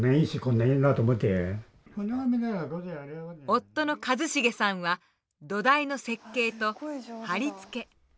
夫の和成さんは土台の設計と貼り付け。